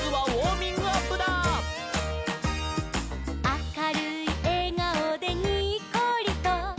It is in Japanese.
「あかるいえがおでにっこりと」